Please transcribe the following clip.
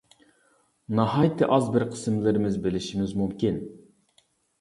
ناھايىتى ئاز بىر قىسىملىرىمىز بىلىشىمىز مۇمكىن.